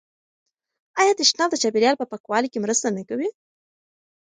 آیا تشناب د چاپیریال په پاکوالي کې مرسته نه کوي؟